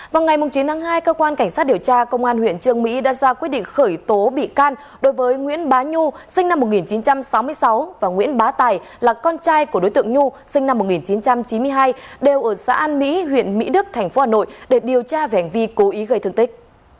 vào ngày chín tháng hai cơ quan cảnh sát điều tra công an huyện trương mỹ đã ra quyết định khởi tố bị can đối với nguyễn bá nhu sinh năm một nghìn chín trăm sáu mươi sáu và nguyễn bá tài là con trai của đối tượng nhu sinh năm một nghìn chín trăm chín mươi hai đều ở xã an mỹ huyện mỹ đức thành phố hà nội để điều tra về hành vi cố ý gây thương tích